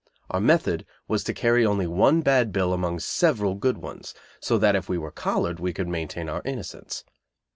Our method was to carry only one bad bill among several good ones, so that if we were collared we could maintain our innocence.